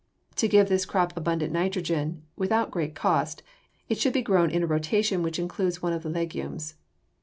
To give this crop abundant nitrogen without great cost, it should be grown in a rotation which includes one of the legumes.